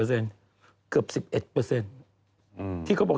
เอาเงินไป๓๐ล้านอ่ะ